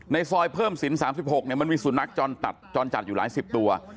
ในซอยเพิ่มศิลป์ศร๓๖เนี่ยมันมีสุนัขจรจัดอยู่หลายสิบตัว